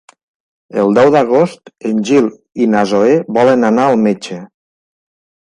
El deu d'agost en Gil i na Zoè volen anar al metge.